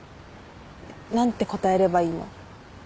何て答えればいいの？